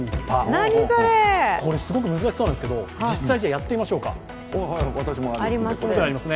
これすごく難しそうなんですけど、実際やってみましょうか。